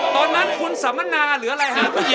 ตอนนั้นคุณสัมมนาหรืออะไรฮะ